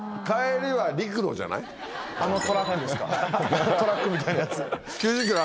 あのトラックみたいなやつ。